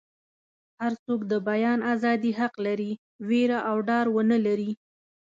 هر څوک د بیان ازادي حق لري ویره او ډار ونه لري.